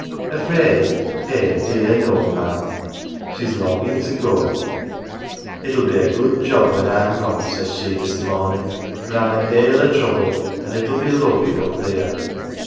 Afraid ? Eh, dear no, ma'am. She's longing to go. 'It '11 be a good job when I'm gone, 1 says she this mornin 1 ,' for I'm a dale o 1 trouble, an 1 it 1 !! be lovely up theer.